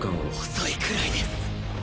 遅いくらいです。